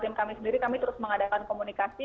tim kami sendiri kami terus mengadakan komunikasi